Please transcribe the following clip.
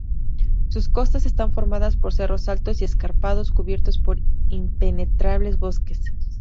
Sus costas están formadas por cerros altos y escarpados, cubiertos por impenetrables bosques.